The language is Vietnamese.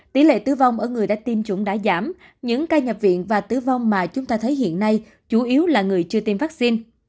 tỷ lệ tử vong ở người đã tiêm chủng đã giảm những ca nhập viện và tử vong mà chúng ta thấy hiện nay chủ yếu là người chưa tiêm vaccine